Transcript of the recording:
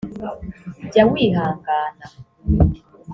jya wihangana